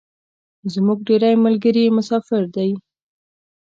زمونږ ډیری ملګري مسافر دی